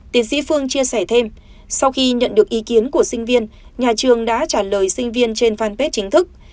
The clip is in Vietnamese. tiến sĩ phương chia sẻ thêm sau khi nhận được ý kiến của sinh viên nhà trường đã trả lời sinh viên trên fanpage chính thức